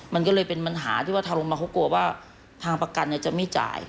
มันก็เลยเป็นปัญหาที่ว่าทางลงมาเขากลัวว่าทางประกันจะไม่จ่าย